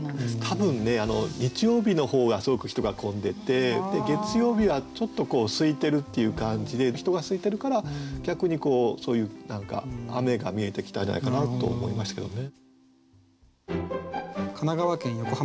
多分ね日曜日の方がすごく人が混んでてで月曜日はちょっとすいてるっていう感じで人がすいてるから逆にそういう雨が見えてきたんじゃないかなと思いましたけどね。